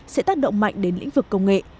và các nước động mạnh đến lĩnh vực công nghệ